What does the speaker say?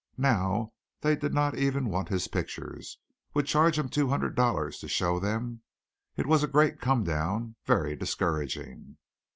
Now they did not even want his pictures would charge him two hundred dollars to show them. It was a great come down very discouraging.